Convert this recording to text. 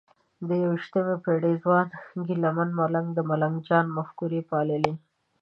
د یویشتمې پېړۍ ځوان ګیله من ملنګ د ملنګ جان مفکوره پاللې؟